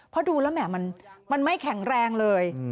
เพราะดูแล้วแหม่มันไม่แข็งแรงเลย